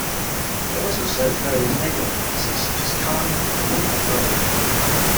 It also serves various neighborhood communities such as Kallang and Marine Parade.